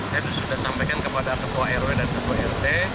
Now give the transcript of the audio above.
saya sudah sampaikan kepada kepua rw dan kepua rt